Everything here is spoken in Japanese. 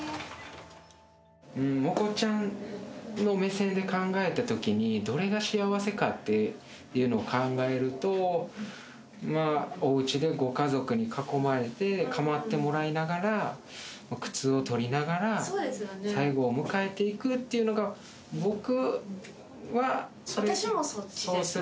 モコちゃんの目線で考えたときに、どれが幸せかっていうのを考えると、まあ、おうちでご家族に囲まれて、構ってもらいながら苦痛を取りながら、最期を迎えていくっていう私もそっちです。